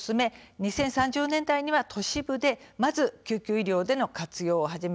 ２０３０年代には都市部でまず救急医療での活用を始め